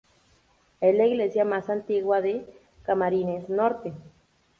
Es la iglesia más antigua de Camarines Norte.